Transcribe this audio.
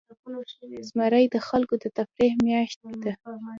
زمری د خلکو د تفریح میاشت ده.